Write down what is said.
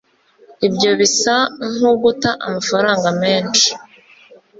ibyo bisa nkuguta amafaranga menshi